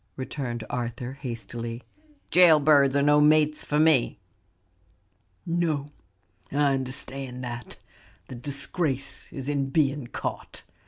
returned Arthur, hastily; "jail birds are no mates for me." "No, I understand that, the disgrace is in being caught.